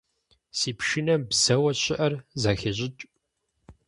Си пшынэм бзэуэ щыӀэр зэхещӀыкӀ.